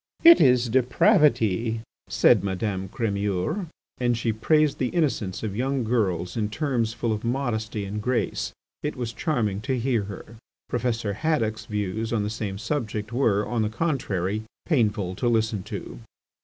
"It is depravity!" said Madame Crémeur. And she praised the innocence of young girls in terms full of modesty and grace. It was charming to hear her. Professor Haddock's views on the same subject were, on the contrary, painful to listen to.